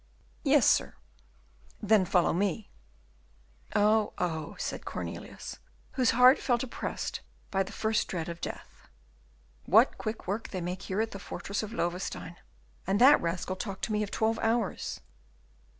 "Yes, sir." "Then follow me." "Oh! oh!" said Cornelius, whose heart felt oppressed by the first dread of death. "What quick work they make here in the fortress of Loewestein. And the rascal talked to me of twelve hours!"